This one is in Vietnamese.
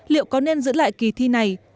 liệu có nên giữ lại kỳ thi này